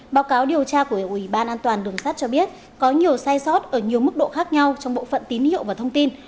báo cáo điều tra của ủy ban an toàn đường sắt cho biết có nhiều sai sót ở nhiều mức độ khác nhau trong bộ phận tín hiệu và thông tin